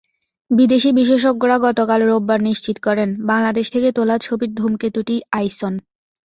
বিদেশি বিশেষজ্ঞরা গতকাল রোববার নিশ্চিত করেন, বাংলাদেশ থেকে তোলা ছবির ধূমকেতুটিই আইসন।